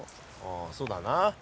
あそうだな。